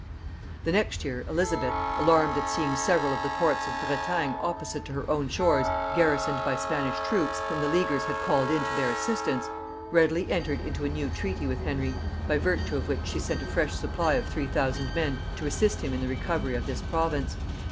The next year Elizabeth, alarmed at seeing several of the ports of Bretagne opposite to her own shores garrisoned by Spanish troops, whom the Leaguers had called in to their assistance, readily entered into a new treaty with Henry, by virtue of which she sent a fresh supply of three thousand men to assist him in the recovery of this province.